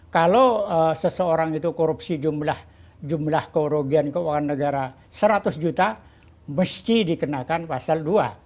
kalau seseorang itu korupsi jumlah kerugian keuangan negara seratus juta mesti dikenakan pasal dua